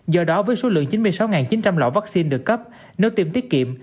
do đó với số lượng chín mươi sáu chín trăm linh lọ vaccine được cấp nếu tiêm tiết kiệm